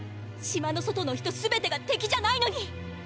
島の外の人すべてが敵じゃないのに！！